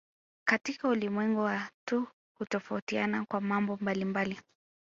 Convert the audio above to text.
Katika ulimwengu watu hutofautiana kwa mambo mbalimbali